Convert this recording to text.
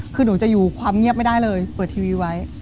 คือหนูจะอยู่ความเงียบไม่ได้เลยเปิดทีวีไว้